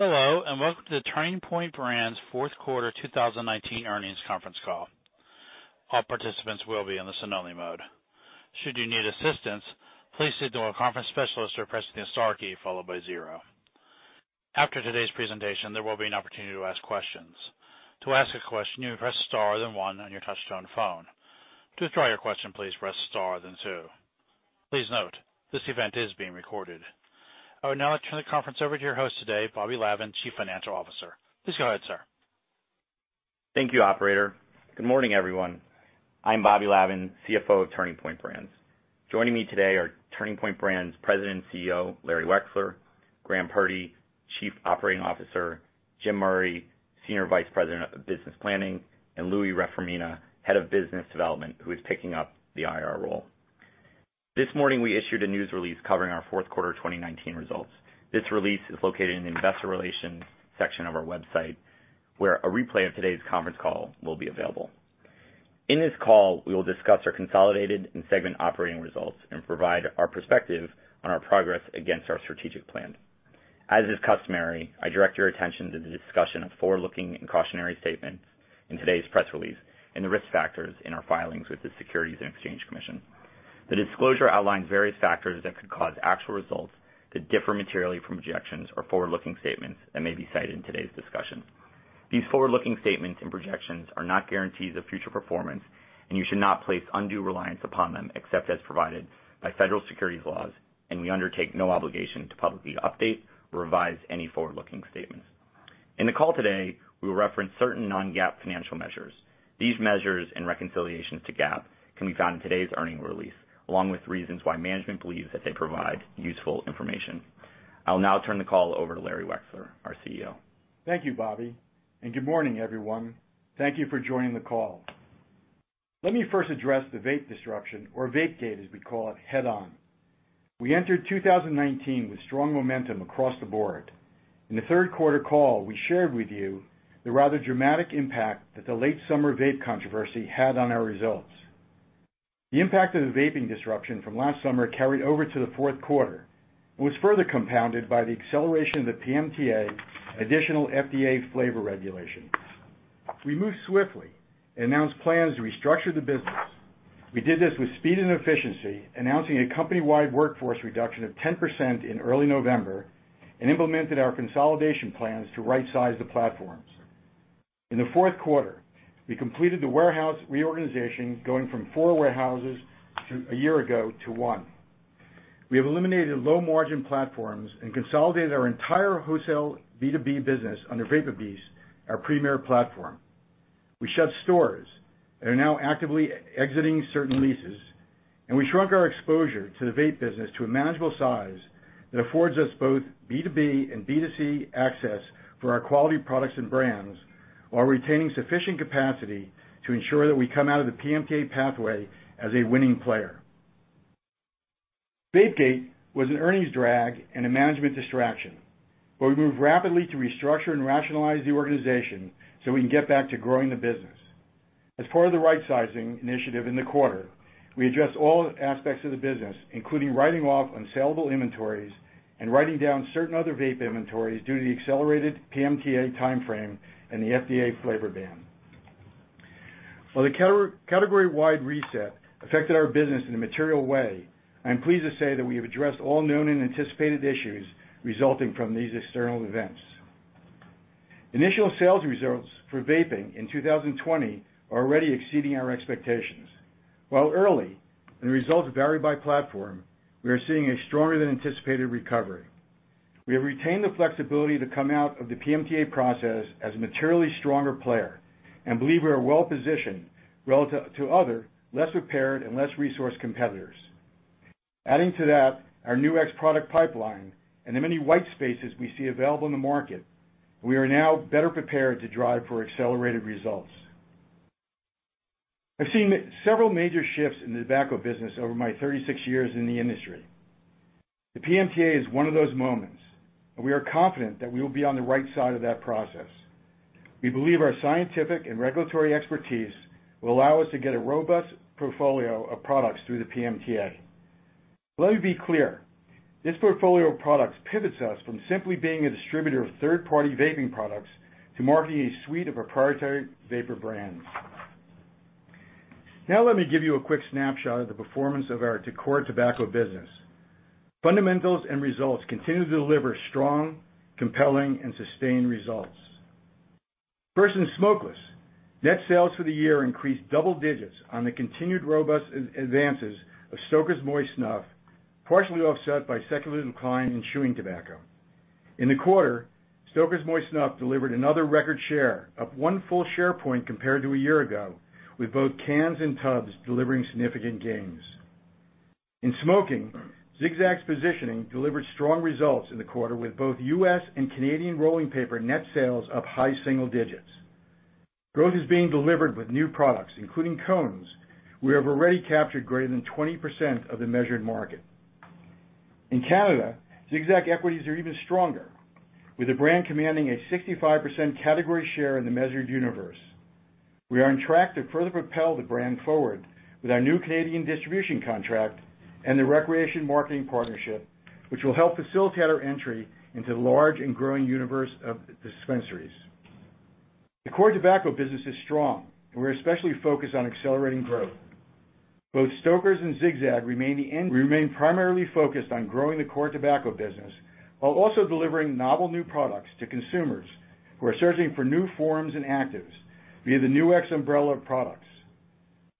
Hello, welcome to the Turning Point Brands fourth quarter 2019 earnings conference call. All participants will be in listen-only mode. Should you need assistance, please signal a conference specialist or press the star key followed by zero. After today's presentation, there will be an opportunity to ask questions. To ask a question, you may press star, then one on your touch-tone phone. To withdraw your question, please press star, then two. Please note, this event is being recorded. I would now turn the conference over to your host today, Bobby Lavan, Chief Financial Officer. Please go ahead, sir. Thank you, operator. Good morning, everyone. I'm Bobby Lavan, CFO of Turning Point Brands. Joining me today are Turning Point Brands President and CEO, Larry Wexler, Graham Purdy, Chief Operating Officer, Jim Murray, senior vice president of business planning, and Louie Reformina, head of business development, who is picking up the IR role. This morning, we issued a news release covering our fourth quarter 2019 results. This release is located in the investor relations section of our website, where a replay of today's conference call will be available. In this call, we will discuss our consolidated and segment operating results and provide our perspective on our progress against our strategic plan. As is customary, I direct your attention to the discussion of forward-looking and cautionary statements in today's press release and the risk factors in our filings with the Securities and Exchange Commission. The disclosure outlines various factors that could cause actual results to differ materially from projections or forward-looking statements that may be cited in today's discussion. These forward-looking statements and projections are not guarantees of future performance, and you should not place undue reliance upon them except as provided by federal securities laws, and we undertake no obligation to publicly update or revise any forward-looking statements. In the call today, we will reference certain non-GAAP financial measures. These measures and reconciliations to GAAP can be found in today's earnings release, along with reasons why management believes that they provide useful information. I'll now turn the call over to Larry Wexler, our CEO. Thank you, Bobby, and good morning, everyone. Thank you for joining the call. Let me first address the vape disruption, or VapeGate as we call it, head-on. We entered 2019 with strong momentum across the board. In the third quarter call, we shared with you the rather dramatic impact that the late summer vape controversy had on our results. The impact of the vaping disruption from last summer carried over to the fourth quarter and was further compounded by the acceleration of the PMTA additional FDA flavor regulations. We moved swiftly and announced plans to restructure the business. We did this with speed and efficiency, announcing a company-wide workforce reduction of 10% in early November and implemented our consolidation plans to right size the platforms. In the fourth quarter, we completed the warehouse reorganization, going from four warehouses a year ago to one. We have eliminated low-margin platforms and consolidated our entire wholesale B2B business under VaporBeast, our premier platform. We shut stores and are now actively exiting certain leases, we shrunk our exposure to the vape business to a manageable size that affords us both B2B and B2C access for our quality products and brands while retaining sufficient capacity to ensure that we come out of the PMTA pathway as a winning player. VapeGate was an earnings drag and a management distraction, we moved rapidly to restructure and rationalize the organization so we can get back to growing the business. As part of the right-sizing initiative in the quarter, we addressed all aspects of the business, including writing off unsalable inventories and writing down certain other vape inventories due to the accelerated PMTA timeframe and the FDA flavor ban. While the category-wide reset affected our business in a material way, I am pleased to say that we have addressed all known and anticipated issues resulting from these external events. Initial sales results for vaping in 2020 are already exceeding our expectations. While early and results vary by platform, we are seeing a stronger than anticipated recovery. We have retained the flexibility to come out of the PMTA process as a materially stronger player and believe we are well-positioned relative to other, less prepared, and less resourced competitors. Adding to that, our Nu-X product pipeline and the many white spaces we see available in the market, we are now better prepared to drive for accelerated results. I've seen several major shifts in the tobacco business over my 36 years in the industry. The PMTA is one of those moments. We are confident that we will be on the right side of that process. We believe our scientific and regulatory expertise will allow us to get a robust portfolio of products through the PMTA. Let me be clear, this portfolio of products pivots us from simply being a distributor of third-party vaping products to marketing a suite of our proprietary vapor brands. Let me give you a quick snapshot of the performance of our core tobacco business. Fundamentals and results continue to deliver strong, compelling, and sustained results. First, in smokeless, net sales for the year increased double digits on the continued robust advances of Stoker's Moist Snuff, partially offset by secular decline in chewing tobacco. In the quarter, Stoker's Moist Snuff delivered another record share, up one full share point compared to a year ago, with both cans and tubs delivering significant gains. In smoking, Zig-Zag's positioning delivered strong results in the quarter with both U.S. and Canadian rolling paper net sales up high single digits. Growth is being delivered with new products, including cones. We have already captured greater than 20% of the measured market. In Canada, Zig-Zag equities are even stronger, with the brand commanding a 65% category share in the measured universe. We are on track to further propel the brand forward with our new Canadian distribution contract and the recreation marketing partnership, which will help facilitate our entry into the large and growing universe of dispensaries. The core tobacco business is strong, we're especially focused on accelerating growth. Both Stoker's and Zig-Zag remain primarily focused on growing the core tobacco business while also delivering novel new products to consumers who are searching for new forms and actives via the Nu-X umbrella of products.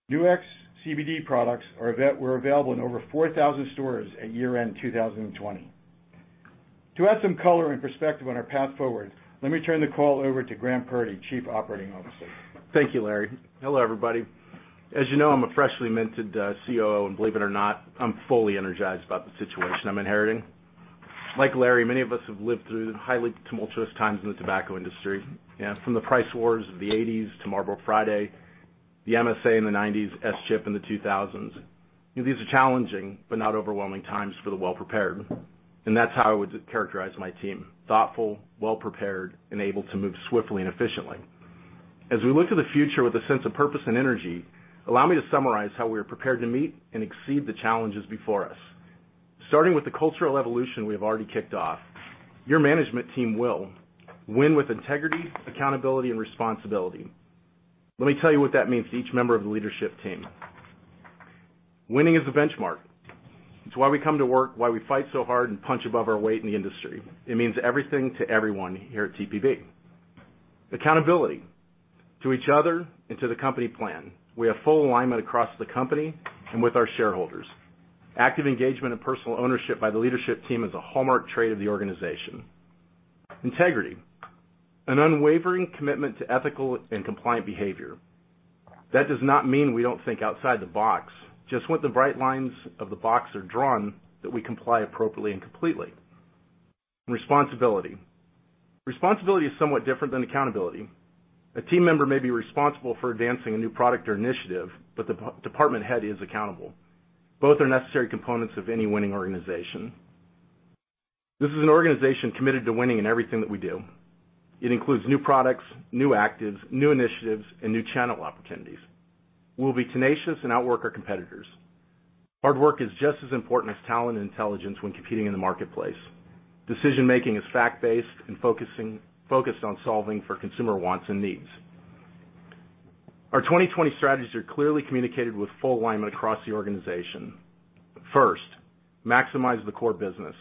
Nu-X CBD products were available in over 4,000 stores at year-end 2020. To add some color and perspective on our path forward, let me turn the call over to Graham Purdy, Chief Operating Officer. Thank you, Larry. Hello, everybody. As you know, I'm a freshly minted COO, and believe it or not, I'm fully energized about the situation I'm inheriting. Like Larry, many of us have lived through highly tumultuous times in the tobacco industry. From the price wars of the 1980s to Marlboro Friday, the MSA in the 1990s, SCHIP in the 2000s. These are challenging but not overwhelming times for the well-prepared, and that's how I would characterize my team, thoughtful, well-prepared, and able to move swiftly and efficiently. As we look to the future with a sense of purpose and energy, allow me to summarize how we are prepared to meet and exceed the challenges before us. Starting with the cultural evolution we have already kicked off, your management team will win with integrity, accountability, and responsibility. Let me tell you what that means to each member of the leadership team. Winning is the benchmark. It's why we come to work, why we fight so hard and punch above our weight in the industry. It means everything to everyone here at TPB. Accountability to each other and to the company plan. We have full alignment across the company and with our shareholders. Active engagement and personal ownership by the leadership team is a hallmark trait of the organization. Integrity, an unwavering commitment to ethical and compliant behavior. That does not mean we don't think outside the box, just with the bright lines of the box are drawn that we comply appropriately and completely. Responsibility. Responsibility is somewhat different than accountability. A team member may be responsible for advancing a new product or initiative, but the department head is accountable. Both are necessary components of any winning organization. This is an organization committed to winning in everything that we do. It includes new products, new actives, new initiatives, and new channel opportunities. We'll be tenacious and outwork our competitors. Hard work is just as important as talent and intelligence when competing in the marketplace. Decision-making is fact-based and focused on solving for consumer wants and needs. Our 2020 strategies are clearly communicated with full alignment across the organization. First, maximize the core business.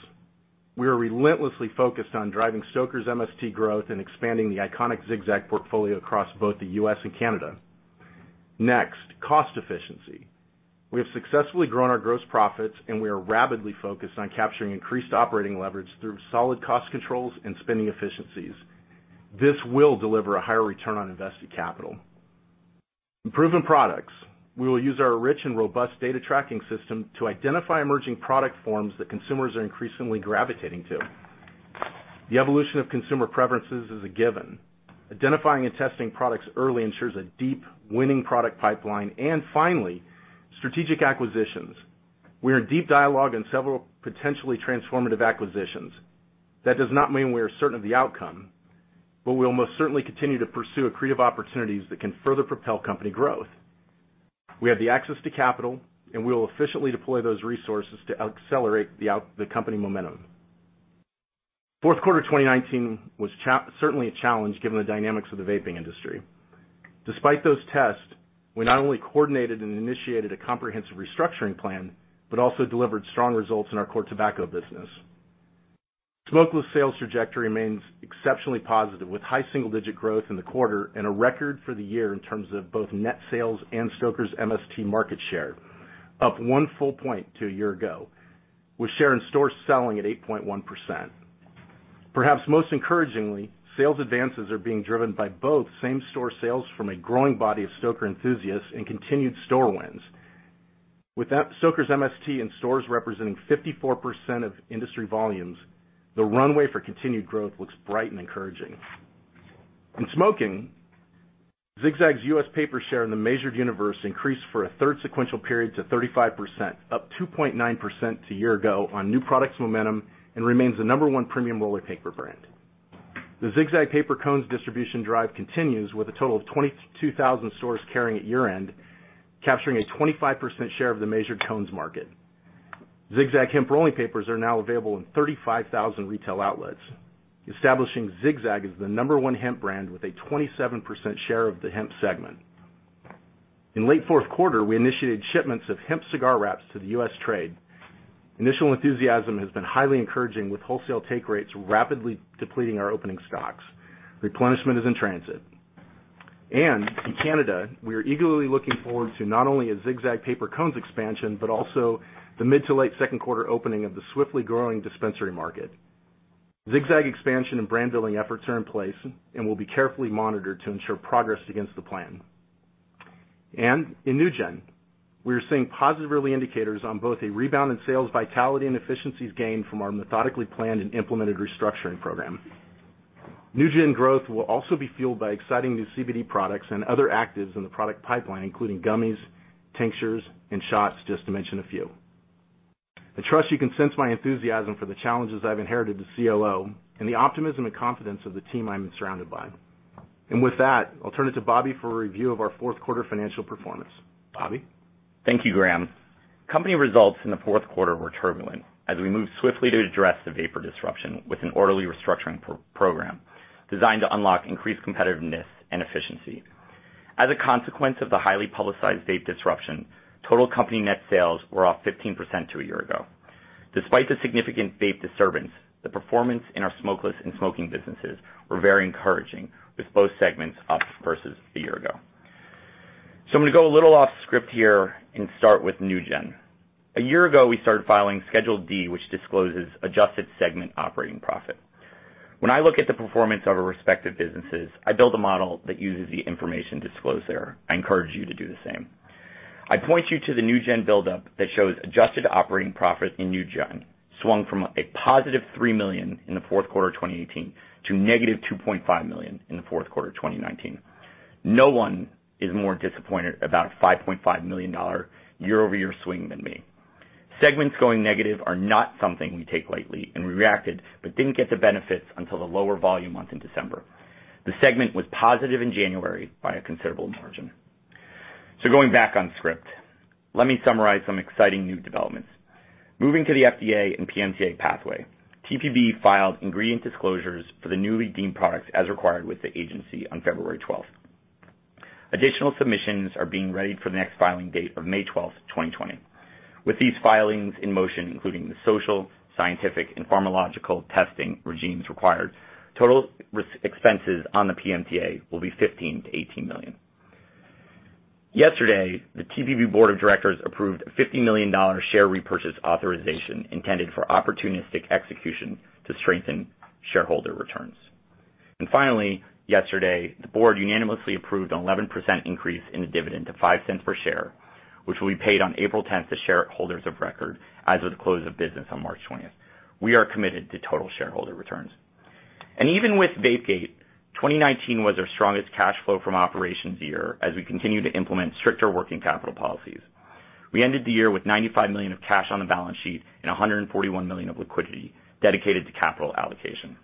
We are relentlessly focused on driving Stoker's MST growth and expanding the iconic Zig-Zag portfolio across both the U.S. and Canada. Next, cost efficiency. We have successfully grown our gross profits, and we are rabidly focused on capturing increased operating leverage through solid cost controls and spending efficiencies. This will deliver a higher return on invested capital. Improving products. We will use our rich and robust data tracking system to identify emerging product forms that consumers are increasingly gravitating to. The evolution of consumer preferences is a given. Identifying and testing products early ensures a deep, winning product pipeline. Finally, strategic acquisitions. We are in deep dialogue in several potentially transformative acquisitions. That does not mean we are certain of the outcome, but we'll most certainly continue to pursue accretive opportunities that can further propel company growth. We have the access to capital, and we will efficiently deploy those resources to accelerate the company momentum. Fourth quarter 2019 was certainly a challenge given the dynamics of the vaping industry. Despite those tests, we not only coordinated and initiated a comprehensive restructuring plan, but also delivered strong results in our core tobacco business. Smokeless sales trajectory remains exceptionally positive, with high single-digit growth in the quarter and a record for the year in terms of both net sales and Stoker's MST market share, up one full point to a year ago, with share in store selling at 8.1%. Perhaps most encouragingly, sales advances are being driven by both same-store sales from a growing body of Stoker enthusiasts and continued store wins. With Stoker's MST in stores representing 54% of industry volumes, the runway for continued growth looks bright and encouraging. In smoking, Zig-Zag's U.S. paper share in the measured universe increased for a third sequential period to 35%, up 2.9% to a year ago on new products momentum, and remains the number one premium roller paper brand. The Zig-Zag paper cones distribution drive continues with a total of 22,000 stores carrying at year-end, capturing a 25% share of the measured cones market. Zig-Zag hemp rolling papers are now available in 35,000 retail outlets, establishing Zig-Zag as the number one hemp brand with a 27% share of the hemp segment. In late fourth quarter, we initiated shipments of hemp cigar wraps to the U.S. trade. Initial enthusiasm has been highly encouraging with wholesale take rates rapidly depleting our opening stocks. Replenishment is in transit. In Canada, we are eagerly looking forward to not only a Zig-Zag paper cones expansion, but also the mid to late second quarter opening of the swiftly growing dispensary market. Zig-Zag expansion and brand building efforts are in place and will be carefully monitored to ensure progress against the plan. In NewGen, we are seeing positive early indicators on both a rebound in sales vitality and efficiencies gained from our methodically planned and implemented restructuring program. NewGen growth will also be fueled by exciting new CBD products and other actives in the product pipeline, including gummies, tinctures, and shots, just to mention a few. I trust you can sense my enthusiasm for the challenges I've inherited as COO and the optimism and confidence of the team I'm surrounded by. With that, I'll turn it to Bobby for a review of our fourth quarter financial performance. Bobby? Thank you, Graham. Company results in the fourth quarter were turbulent as we moved swiftly to address the vapor disruption with an orderly restructuring program designed to unlock increased competitiveness and efficiency. As a consequence of the highly publicized vape disruption, total company net sales were off 15% to a year ago. Despite the significant vape disturbance, the performance in our smokeless and smoking businesses were very encouraging, with both segments up versus a year ago. I'm going to go a little off script here and start with NewGen. A year ago, we started filing Schedule D, which discloses Adjusted Segment Operating Profit. When I look at the performance of our respective businesses, I build a model that uses the information disclosed there. I encourage you to do the same. I point you to the NewGen buildup that shows adjusted operating profit in NewGen swung from a +$3 million in the fourth quarter of 2018 to -$2.5 million in the fourth quarter of 2019. No one is more disappointed about a $5.5 million year-over-year swing than me. Segments going negative are not something we take lightly. We reacted, but didn't get the benefits until the lower volume month in December. The segment was positive in January by a considerable margin. Going back on script, let me summarize some exciting new developments. Moving to the FDA and PMTA pathway, TPB filed ingredient disclosures for the newly deemed products as required with the agency on February 12th. Additional submissions are being readied for the next filing date of May 12th, 2020. With these filings in motion, including the social, scientific, and pharmacological testing regimes required, total expenses on the PMTA will be $15 million-$18 million. Yesterday, the TPB board of directors approved a $50 million share repurchase authorization intended for opportunistic execution to strengthen shareholder returns. Finally, yesterday, the board unanimously approved an 11% increase in the dividend to $0.05 per share, which will be paid on April 10th to shareholders of record as of the close of business on March 20th. We are committed to total shareholder returns. Even with VapeGate, 2019 was our strongest cash flow from operations year as we continue to implement stricter working capital policies. We ended the year with $95 million of cash on the balance sheet and $141 million of liquidity dedicated to capital allocation.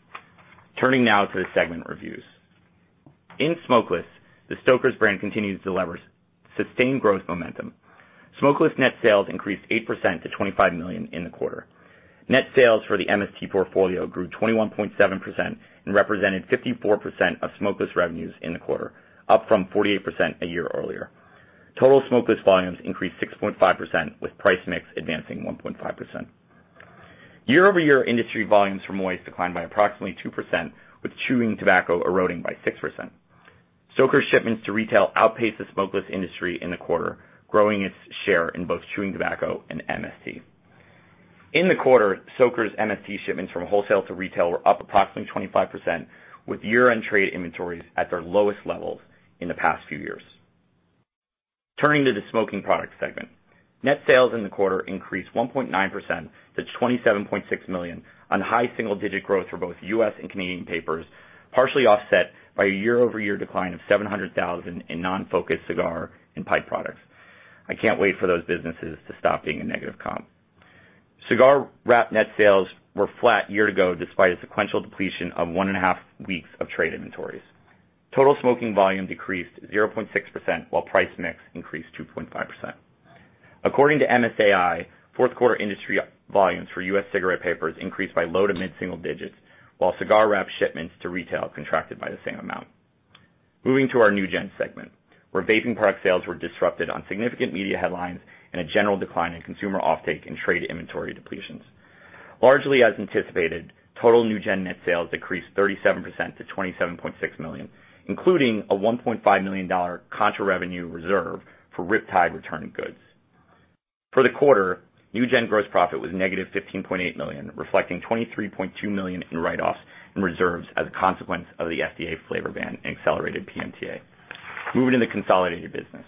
Turning now to the segment reviews. In smokeless, the Stoker's brand continues to leverage sustained growth momentum. Smokeless net sales increased 8% to $25 million in the quarter. Net sales for the MST portfolio grew 21.7% and represented 54% of smokeless revenues in the quarter, up from 48% a year earlier. Total smokeless volumes increased 6.5% with price mix advancing 1.5%. Year-over-year industry volumes for Moist declined by approximately 2%, with chewing tobacco eroding by 6%. Stoker's shipments to retail outpaced the smokeless industry in the quarter, growing its share in both chewing tobacco and MST. In the quarter, Stoker's MST shipments from wholesale to retail were up approximately 25%, with year-end trade inventories at their lowest levels in the past few years. Turning to the smoking product segment. Net sales in the quarter increased 1.9% to $27.6 million on high single-digit growth for both U.S. and Canadian papers, partially offset by a year-over-year decline of $700,000 in non-focused cigar and pipe products. I can't wait for those businesses to stop being a negative comp. Cigar wrap net sales were flat year to go despite a sequential depletion of one and a half weeks of trade inventories. Total smoking volume decreased 0.6% while price mix increased 2.5%. According to MSAi, fourth quarter industry volumes for U.S. cigarette papers increased by low to mid-single digits, while cigar wrap shipments to retail contracted by the same amount. Moving to our NewGen segment, where vaping product sales were disrupted on significant media headlines and a general decline in consumer offtake and trade inventory depletions. Largely as anticipated, total NewGen net sales decreased 37% to $27.6 million, including a $1.5 million contra revenue reserve for RipTide returned goods. For the quarter, NewGen gross profit was -$15.8 million, reflecting $23.2 million in write-offs and reserves as a consequence of the FDA flavor ban and accelerated PMTA. Moving to the consolidated business.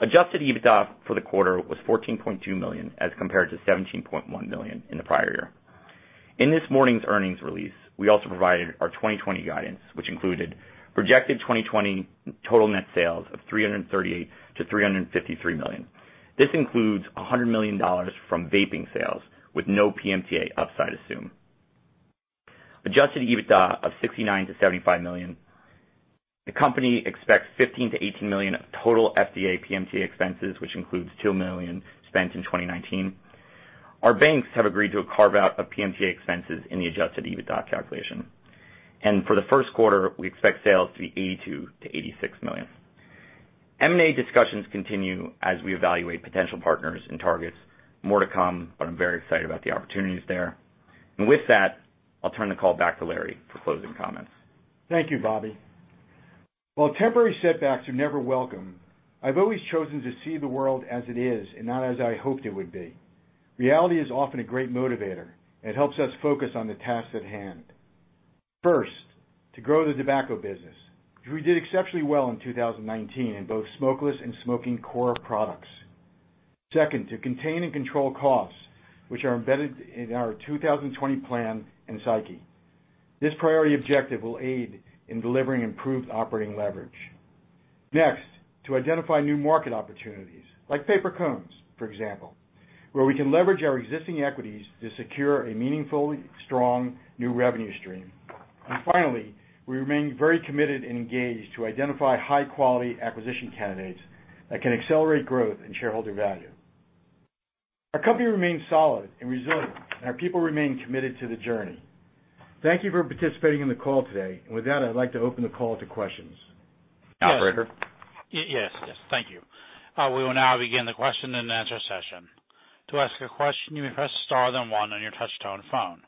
Adjusted EBITDA for the quarter was $14.2 million as compared to $17.1 million in the prior year. In this morning's earnings release, we also provided our 2020 guidance, which included projected 2020 total net sales of $338 million-$353 million. This includes $100 million from vaping sales with no PMTA upside assumed. Adjusted EBITDA of $69 million-$75 million. The company expects $15 million-$18 million of total FDA PMTA expenses, which includes $2 million spent in 2019. Our banks have agreed to a carve out of PMTA expenses in the adjusted EBITDA calculation. For the first quarter, we expect sales to be $82 million-$86 million. M&A discussions continue as we evaluate potential partners and targets. More to come, but I'm very excited about the opportunities there. With that, I'll turn the call back to Larry for closing comments. Thank you, Bobby. While temporary setbacks are never welcome, I've always chosen to see the world as it is and not as I hoped it would be. Reality is often a great motivator, and it helps us focus on the tasks at hand. First, to grow the tobacco business, because we did exceptionally well in 2019 in both smokeless and smoking core products. Second, to contain and control costs, which are embedded in our 2020 plan and psyche. This priority objective will aid in delivering improved operating leverage. Next, to identify new market opportunities, like paper cones, for example, where we can leverage our existing equities to secure a meaningfully strong new revenue stream. Finally, we remain very committed and engaged to identify high-quality acquisition candidates that can accelerate growth and shareholder value. Our company remains solid and resilient, and our people remain committed to the journey. Thank you for participating in the call today. With that, I'd like to open the call to questions. Operator? Yes. Thank you. We will now begin the question and answer session. To ask a question, you may press star then one on your touch-tone phone.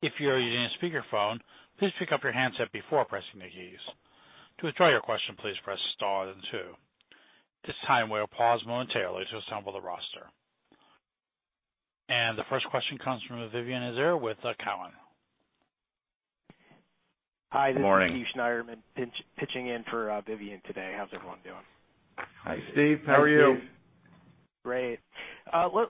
If you are using a speakerphone, please pick up your handset before pressing the keys. To withdraw your question, please press star then two. This time, we'll pause momentarily to assemble the roster. The first question comes from Vivien Azer with Cowen. Hi. Good morning. This is Steve Schneiderman, pitching in for Vivien today. How's everyone doing? Hi, Steve. How are you? Hi, Steve. Great.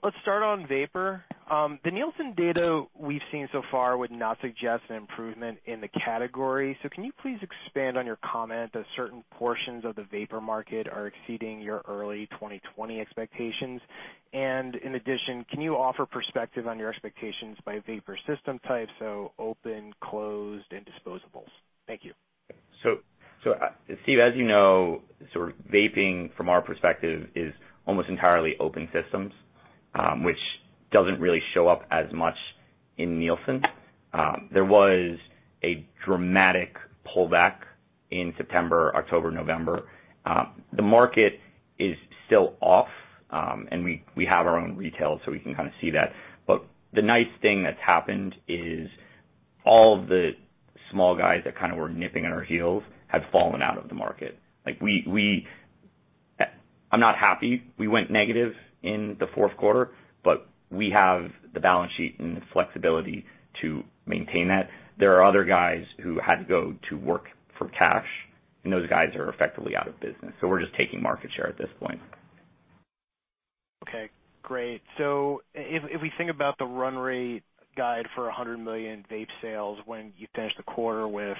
Let's start on vapor. The Nielsen data we've seen so far would not suggest an improvement in the category. Can you please expand on your comment that certain portions of the vapor market are exceeding your early 2020 expectations? In addition, can you offer perspective on your expectations by vapor system type, open, closed, and disposables? Thank you. Steve, as you know, sort of vaping from our perspective is almost entirely open systems, which doesn't really show up as much in Nielsen. There was a dramatic pullback in September, October, November. The market is still off, and we have our own retail, so we can kind of see that. The nice thing that's happened is all of the small guys that kind of were nipping at our heels have fallen out of the market. I'm not happy we went negative in the fourth quarter, but we have the balance sheet and the flexibility to maintain that. There are other guys who had to go to work for cash, and those guys are effectively out of business. We're just taking market share at this point. Okay, great. If we think about the run rate guide for $100 million vape sales, when you finish the quarter with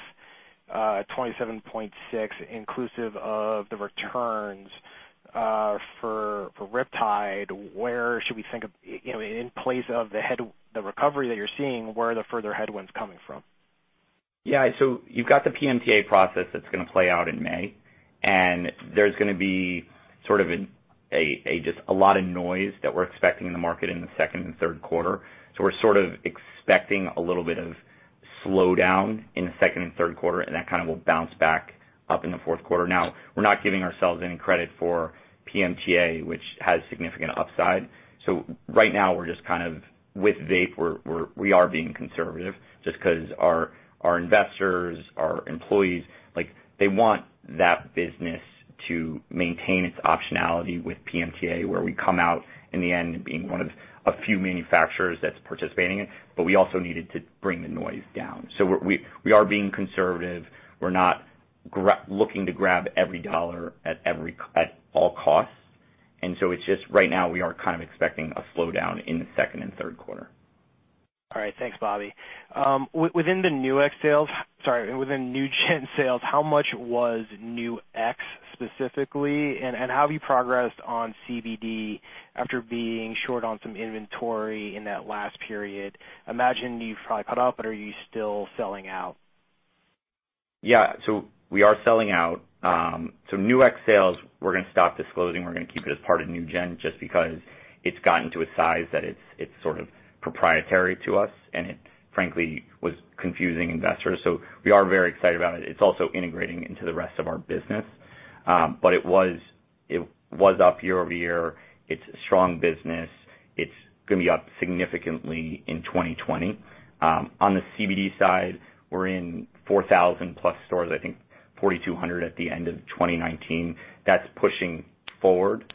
$27.6 million inclusive of the returns for RipTide, in place of the recovery that you're seeing, where are the further headwinds coming from? Yeah. You've got the PMTA process that's going to play out in May, and there's going to be sort of a lot of noise that we're expecting in the market in the second and third quarter. We're sort of expecting a little bit of slowdown in the second and third quarter, and that kind of will bounce back up in the fourth quarter. Now, we're not giving ourselves any credit for PMTA, which has significant upside. Right now, we're just kind of, with vape, we are being conservative just because our investors, our employees, they want that business to maintain its optionality with PMTA, where we come out in the end being one of a few manufacturers that's participating in it, but we also needed to bring the noise down. We are being conservative. We're not looking to grab every dollar at all costs. It's just right now, we are kind of expecting a slowdown in the second and third quarter. All right. Thanks, Bobby. Within the NewGen sales, how much was Nu-X specifically, and how have you progressed on CBD after being short on some inventory in that last period? I imagine you've probably caught up, but are you still selling out? Yeah. We are selling out. Nu-X sales, we're gonna stop disclosing. We're gonna keep it as part of NewGen just because it's gotten to a size that it's sort of proprietary to us, and it frankly was confusing investors. We are very excited about it. It's also integrating into the rest of our business. It was up year-over-year. It's a strong business. It's gonna be up significantly in 2020. On the CBD side, we're in 4,000+ stores, I think 4,200 at the end of 2019. That's pushing forward.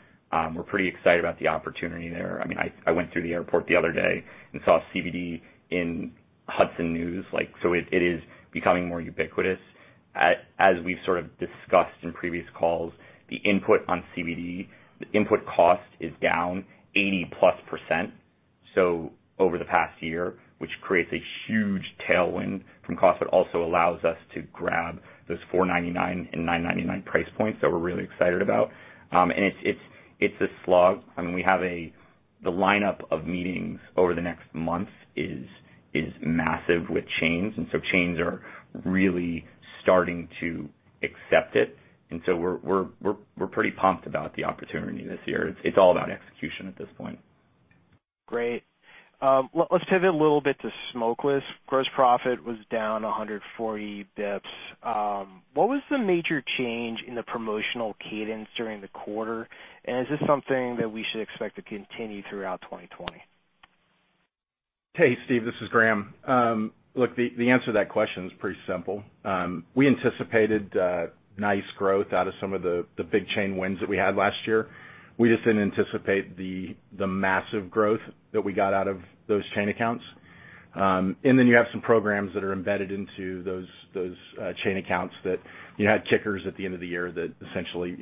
We're pretty excited about the opportunity there. I went through the airport the other day and saw CBD in Hudson News. It is becoming more ubiquitous. As we've sort of discussed in previous calls, the input on CBD, the input cost is down 80%+ over the past year, which creates a huge tailwind from cost, also allows us to grab those $4.99 and $9.99 price points that we're really excited about. It's a slog. The lineup of meetings over the next month is massive with chains are really starting to accept it. We're pretty pumped about the opportunity this year. It's all about execution at this point. Great. Let's pivot a little bit to smokeless. Gross profit was down 140 basis points. What was the major change in the promotional cadence during the quarter? Is this something that we should expect to continue throughout 2020? Hey, Steve, this is Graham. Look, the answer to that question is pretty simple. We anticipated nice growth out of some of the big chain wins that we had last year. We just didn't anticipate the massive growth that we got out of those chain accounts. You have some programs that are embedded into those chain accounts that you had tickers at the end of the year that essentially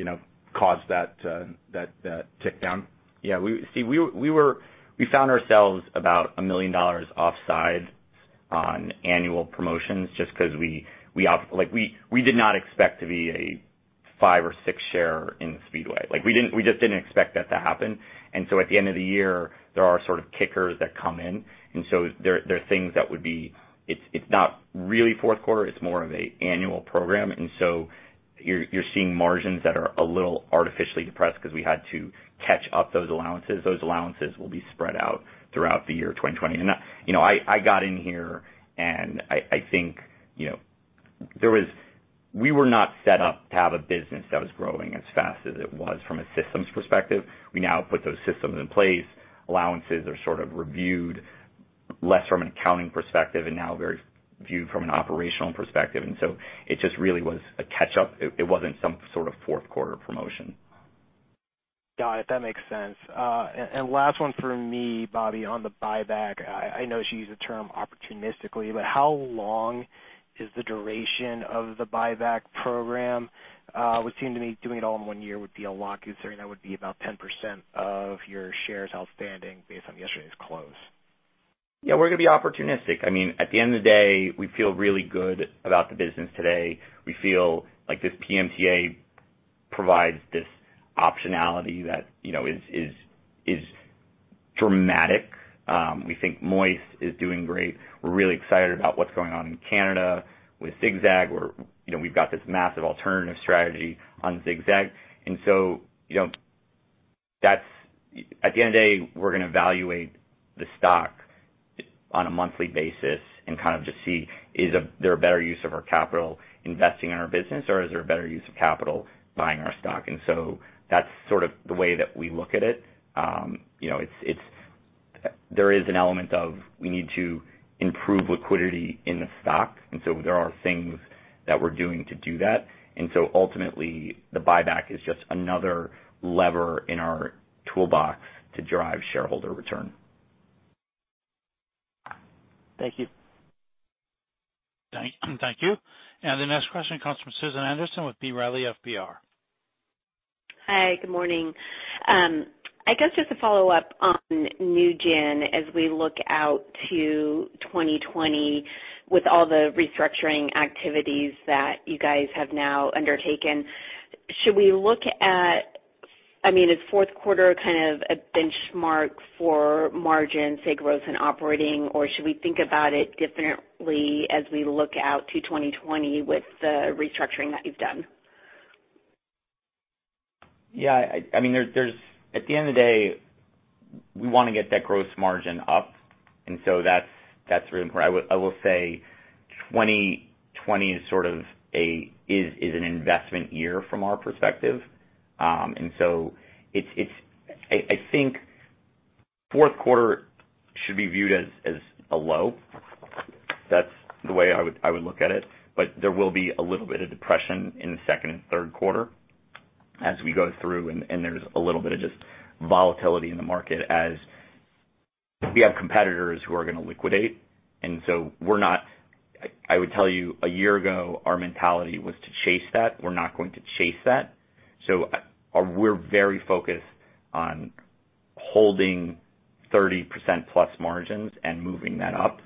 caused that tick down. Yeah, Steve, we found ourselves about $1 million offside on annual promotions, just because we did not expect to be a five or six share in Speedway. We just didn't expect that to happen. At the end of the year, there are sort of kickers that come in, and so there are things that would be It's not really fourth quarter, it's more of an annual program. You're seeing margins that are a little artificially depressed because we had to catch up those allowances. Those allowances will be spread out throughout the year 2020. I got in here, and I think we were not set up to have a business that was growing as fast as it was from a systems perspective. We now put those systems in place. Allowances are sort of reviewed less from an accounting perspective, and now very viewed from an operational perspective. It just really was a catch-up. It wasn't some sort of fourth quarter promotion. Got it. That makes sense. Last one for me, Bobby, on the buyback. I know she used the term opportunistically, but how long is the duration of the buyback program? Would seem to me doing it all in one year would be a lock-in, considering that would be about 10% of your shares outstanding based on yesterday's close. Yeah, we're going to be opportunistic. At the end of the day, we feel really good about the business today. We feel like this PMTA provides this optionality that is dramatic. We think Moist is doing great. We're really excited about what's going on in Canada with Zig-Zag. We've got this massive alternative strategy on Zig-Zag. At the end of the day, we're going to evaluate the stock on a monthly basis and kind of just see, is there a better use of our capital investing in our business, or is there a better use of capital buying our stock? That's sort of the way that we look at it. There is an element of we need to improve liquidity in the stock, and so there are things that we're doing to do that. Ultimately, the buyback is just another lever in our toolbox to drive shareholder return. Thank you. Thank you. The next question comes from Susan Anderson with B. Riley FBR. Hi, good morning. I guess just to follow up on NewGen as we look out to 2020 with all the restructuring activities that you guys have now undertaken. Should we look at, is fourth quarter kind of a benchmark for margin, say, growth and operating, or should we think about it differently as we look out to 2020 with the restructuring that you've done? Yeah. At the end of the day, we want to get that gross margin up, that's really important. I will say 2020 is an investment year from our perspective. I think fourth quarter should be viewed as a low. That's the way I would look at it. There will be a little bit of depression in the second and third quarter as we go through, and there's a little bit of just volatility in the market as we have competitors who are going to liquidate. I would tell you, a year ago, our mentality was to chase that. We're not going to chase that. We're very focused on holding 30%+ margins and moving that up.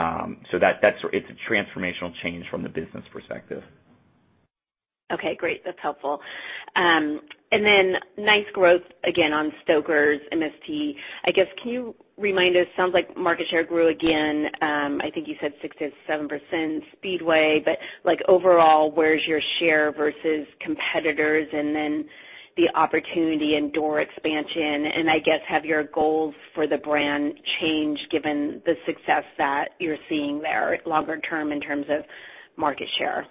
It's a transformational change from the business perspective. Okay, great. That's helpful. Nice growth again on Stoker's MST. Can you remind us, sounds like market share grew again, I think you said 67% Speedway, but overall, where's your share versus competitors and then the opportunity and door expansion. Have your goals for the brand changed given the success that you're seeing there longer term in terms of market share?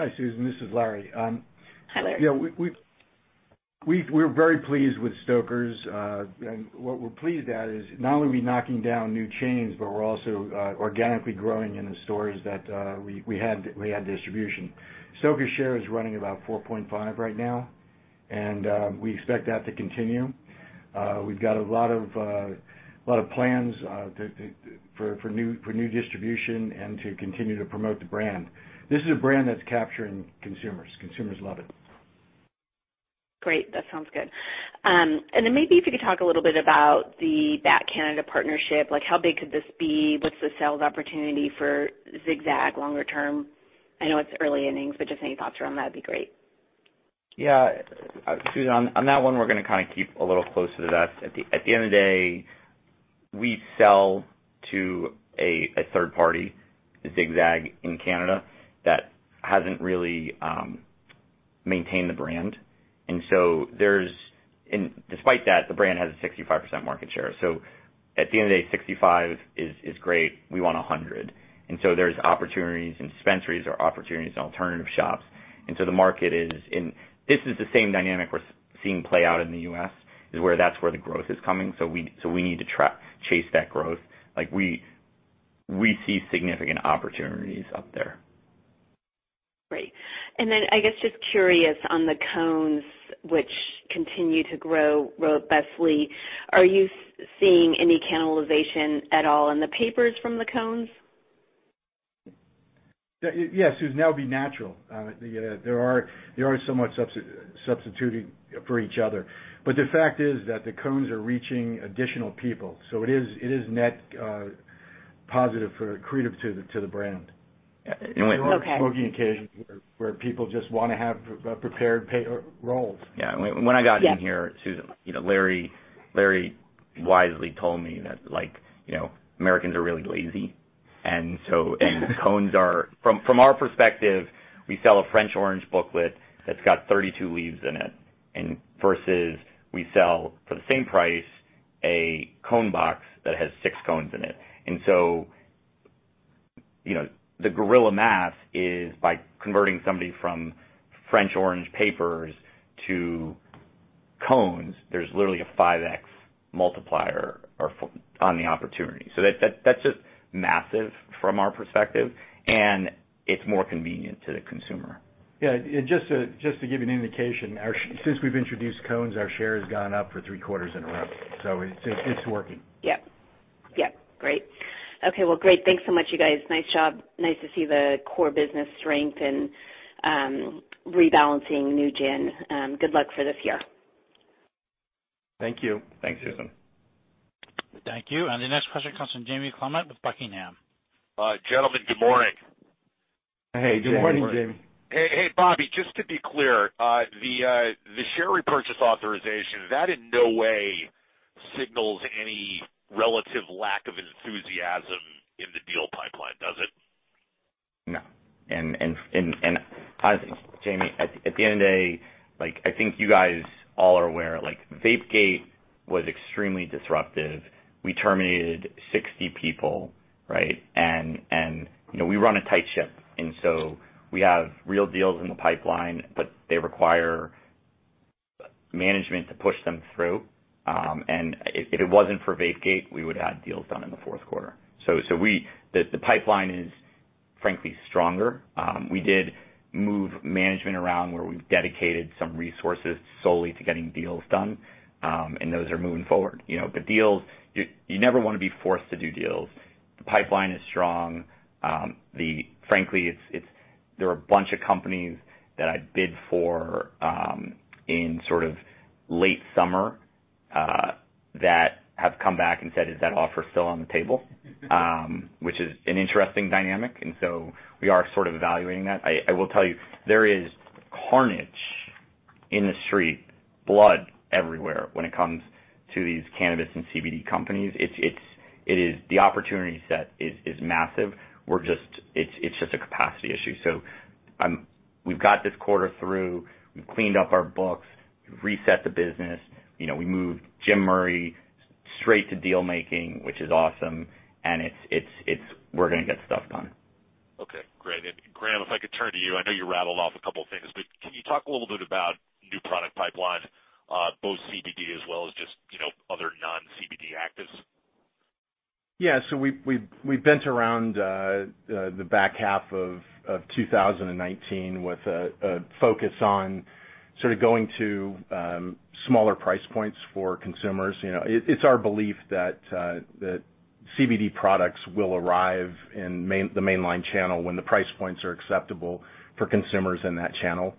Hi, Susan, this is Larry. Hi, Larry. Yeah, we're very pleased with Stoker's. What we're pleased at is not only are we knocking down new chains, but we're also organically growing in the stores that we had distribution. Stoker's share is running about 4.5% right now, and we expect that to continue. We've got a lot of plans for new distribution and to continue to promote the brand. This is a brand that's capturing consumers. Consumers love it. Great. That sounds good. Maybe if you could talk a little bit about the BAT Canada partnership, like how big could this be? What's the sales opportunity for Zig-Zag longer term? I know it's early innings, but just any thoughts around that would be great. Yeah. Susan, on that one, we're going to kind of keep a little closer to that. At the end of the day, we sell to a third party, Zig-Zag in Canada, that hasn't really maintained the brand. Despite that, the brand has a 65% market share. At the end of the day, 65% is great. We want 100%. There's opportunities in dispensaries or opportunities in alternative shops. This is the same dynamic we're seeing play out in the U.S., is where that's where the growth is coming. We need to chase that growth. We see significant opportunities up there. Great. I guess just curious on the cones, which continue to grow robustly, are you seeing any cannibalization at all in the papers from the cones? Yes, Susan, that would be natural. There are somewhat substituting for each other. The fact is that the cones are reaching additional people, so it is net positive for accretive to the brand. Smoking occasions where people just want to have prepared rolls. Yeah. When I got in here, Susan, Larry wisely told me that Americans are really lazy. Cones are from our perspective, we sell a French Orange booklet that's got 32 leaves in it versus we sell, for the same price, a cone box that has six cones in it. The guerrilla math is by converting somebody from French Orange papers to cones, there's literally a 5x multiplier on the opportunity. That's just massive from our perspective, and it's more convenient to the consumer. Yeah. Just to give you an indication, since we've introduced cones, our share has gone up for three quarters in a row. It's working. Yep. Great. Okay. Well, great. Thanks so much, you guys. Nice job. Nice to see the core business strength and rebalancing NewGen. Good luck for this year. Thank you. Thanks, Susan. Thank you. The next question comes from Jamie Clement with Buckingham. Gentlemen, good morning. Hey, good morning, Jamie. Hey, Bobby, just to be clear, the share repurchase authorization, that in no way signals any relative lack of enthusiasm in the deal pipeline, does it? No. Jamie, at the end of the day, I think you guys all are aware, VapeGate was extremely disruptive. We terminated 60 people, right? We run a tight ship, we have real deals in the pipeline, they require management to push them through. If it wasn't for VapeGate, we would've had deals done in the fourth quarter. The pipeline is, frankly, stronger. We did move management around where we've dedicated some resources solely to getting deals done, those are moving forward. Deals, you never want to be forced to do deals. The pipeline is strong. Frankly, there are a bunch of companies that I bid for in late summer that have come back and said, "Is that offer still on the table?" Which is an interesting dynamic, we are evaluating that. I will tell you, there is carnage in the street, blood everywhere when it comes to these cannabis and CBD companies. The opportunity set is massive. It's just a capacity issue. We've got this quarter through, we've cleaned up our books, we've reset the business. We moved Jim Murray straight to deal making, which is awesome, and we're going to get stuff done. Okay, great. Graham, if I could turn to you, I know you rattled off a couple things, but can you talk a little bit about new product pipeline, both CBD as well as just other non-CBD actives? We've bent around the back half of 2019 with a focus on going to smaller price points for consumers. It's our belief that CBD products will arrive in the mainline channel when the price points are acceptable for consumers in that channel.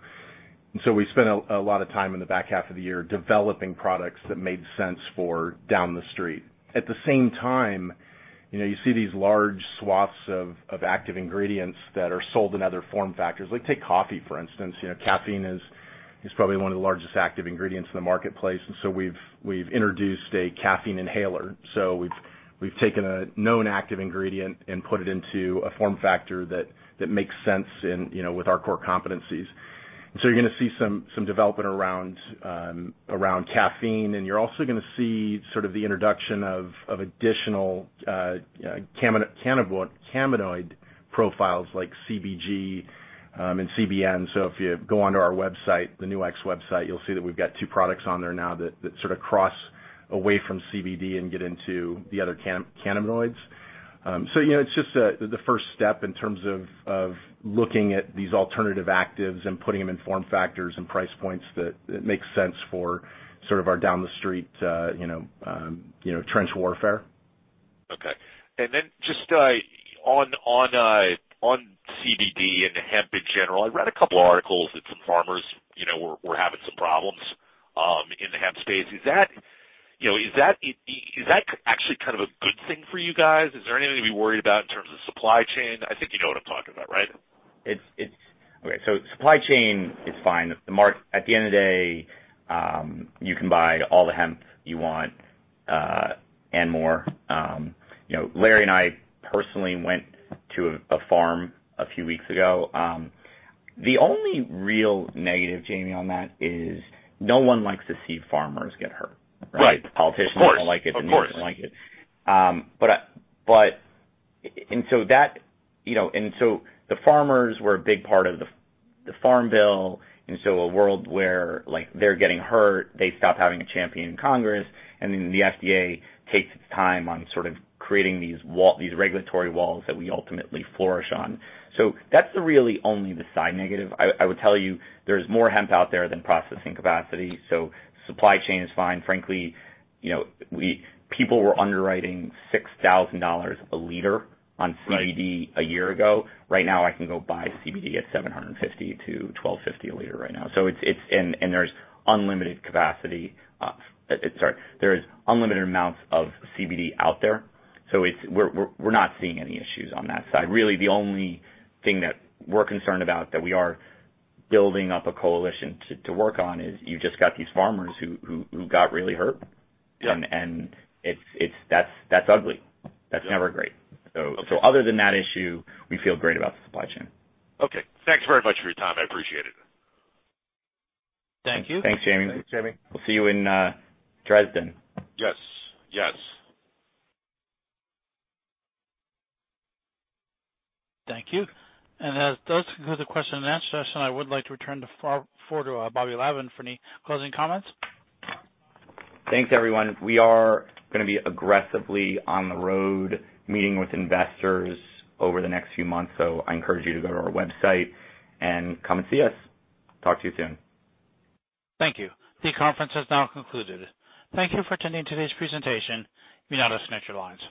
We spent a lot of time in the back half of the year developing products that made sense for down the street. At the same time, you see these large swaths of active ingredients that are sold in other form factors. Take coffee, for instance. Caffeine is probably one of the largest active ingredients in the marketplace, we've introduced a caffeine inhaler. We've taken a known active ingredient and put it into a form factor that makes sense with our core competencies. You're going to see some development around caffeine, and you're also going to see the introduction of additional cannabinoid profiles like CBG and CBN. If you go onto our website, the Nu-X website, you'll see that we've got two products on there now that cross away from CBD and get into the other cannabinoids. It's just the first step in terms of looking at these alternative actives and putting them in form factors and price points that makes sense for our down the street trench warfare. Okay. Just on CBD and hemp in general, I read a couple articles that some farmers were having some problems in the hemp space. Is that actually kind of a good thing for you guys? Is there anything to be worried about in terms of supply chain? I think you know what I'm talking about, right? Okay, supply chain is fine. At the end of the day, you can buy all the hemp you want, and more. Larry and I personally went to a farm a few weeks ago. The only real negative, Jamie, on that is no one likes to see farmers get hurt, right? Right. Of course. Politicians don't like it, the media don't like it. The farmers were a big part of the Farm Bill, and so a world where they're getting hurt, they stop having a champion in Congress, and then the FDA takes its time on creating these regulatory walls that we ultimately flourish on. That's really only the side negative. I would tell you, there's more hemp out there than processing capacity, so supply chain is fine. Frankly, people were underwriting $6,000 a liter on CBD a year ago. Right now, I can go buy CBD at $750-$1,250 a liter right now. There's unlimited amounts of CBD out there, so we're not seeing any issues on that side. Really, the only thing that we're concerned about that we are building up a coalition to work on is you've just got these farmers who got really hurt. That's ugly. That's never great. Okay. Other than that issue, we feel great about the supply chain. Okay. Thanks very much for your time. I appreciate it. Thank you. Thanks, Jamie. Thanks, Jamie. We'll see you in Dresden. Yes. Thank you. As those conclude the question and answer session, I would like to turn the floor to Bobby Lavan for any closing comments. Thanks, everyone. We are going to be aggressively on the road meeting with investors over the next few months. I encourage you to go to our website and come and see us. Talk to you soon. Thank you. The conference has now concluded. Thank you for attending today's presentation. You may now disconnect your lines.